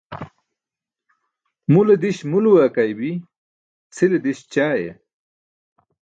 Mule diś muluwe akaybi, cʰile diś ćaaye.